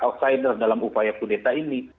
outsider dalam upaya kudeta ini